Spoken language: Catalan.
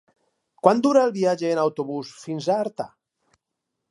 Quant dura el viatge en autobús fins a Artà?